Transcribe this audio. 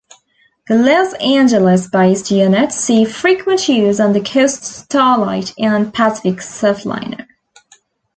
The Los Angeles-based units see frequent use on the "Coast Starlight" and "Pacific Surfliner".